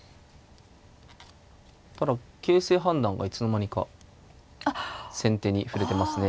ただ形勢判断がいつの間にか先手に振れてますね。